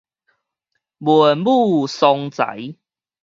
文武雙才